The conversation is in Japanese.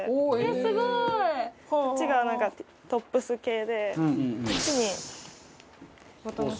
すごい！こっちがなんかトップス系でこっちにボトムス。